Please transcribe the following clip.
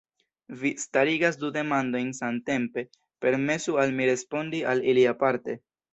Vi starigas du demandojn samtempe, permesu al mi respondi al ili aparte.